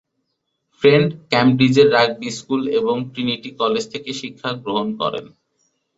Friend ক্যামব্রিজের rugby school এবং Trinity college থেকে শিক্ষা গ্রহণ করেন।